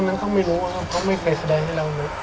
ว่านั้นต้องไม่รู้ว่๊าพ่อไม่เคยแสดงให้เรา